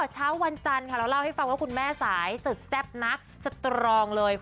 เช้าวันจันทร์ค่ะเราเล่าให้ฟังว่าคุณแม่สายสุดแซ่บนักสตรองเลย